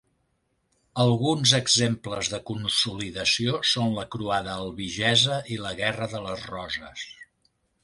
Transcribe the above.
Alguns exemples de consolidació són la croada albigesa i la Guerra de les roses.